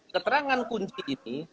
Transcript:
keterangan kunci ini